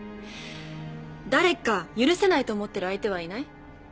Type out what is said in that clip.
誰か許せないと思ってる相手はいない？